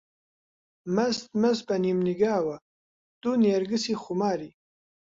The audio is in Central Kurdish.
مەست مەست بە نیمنیگاوە، دوو نێرگسی خوماری